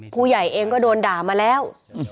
ผู้ใหญ่เองก็โดนด่ามาแล้ว